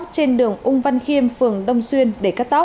trên đường ung văn khiêm phường đông xuyên để cắt tóc